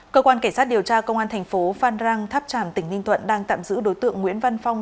cơ quan kẻ sát điều tra công an thành phố phan rang tháp trảm tỉnh ninh tuận đang tạm giữ đối tượng nguyễn văn phong